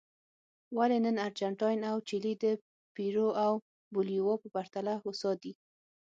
ولې نن ارجنټاین او چیلي د پیرو او بولیویا په پرتله هوسا دي.